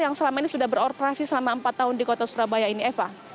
yang selama ini sudah beroperasi selama empat tahun di kota surabaya ini eva